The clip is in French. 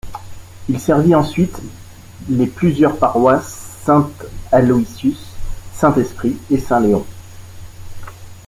Il servit ensuite les plusieurs paroisses Saint-Aloysius, Saint-Esprit et Saint-Léon.